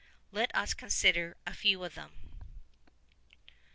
Let us consider a few of them.